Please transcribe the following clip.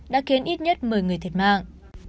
đã có ít nhất một mươi người thiệt mạng